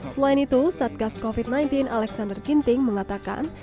selain itu satgas covid sembilan belas alexander ginting mengatakan